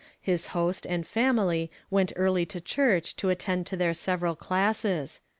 I lis host and family went early to church to attend to their several classes.